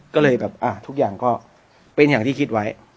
ก็เลยแบบทุกอย่างก็เป็นอย่างที่คิดไว้